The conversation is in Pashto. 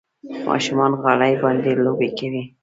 ماشومان غالۍ باندې لوبې کوي.